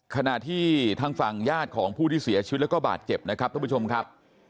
ขณะที่ทางฝั่งญาติของผู้ที่เสียชีวิตแล้วก็บาดเจ็บนะครับท่านผู้ชมครับ